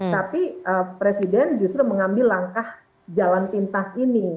tapi presiden justru mengambil langkah jalan pintas ini